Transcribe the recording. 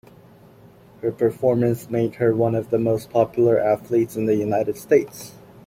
Her performance made her one of the most popular athletes in the United States.